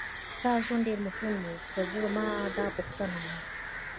ستا ژوند ډېر مهم و که زما دا پوښتنه وه.